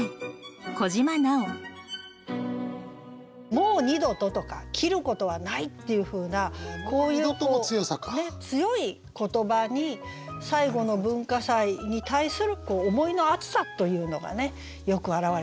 「もう二度と」とか「切ることはない」っていうふうなこういう強い言葉に「最後の文化祭」に対する思いの熱さというのがよく表れてますよね。